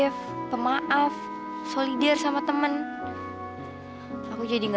wah dari tunggu